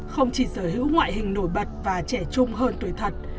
không chỉ sở hữu ngoại hình nổi bật và trẻ trung hơn tuổi thật